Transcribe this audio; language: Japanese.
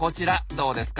どうですか？